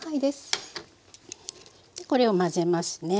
でこれを混ぜますね。